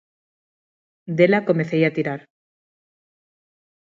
Dela comecei a tirar.